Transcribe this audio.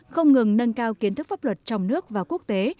không ngừng nâng cao kiến thức pháp luật trong nước và quốc tế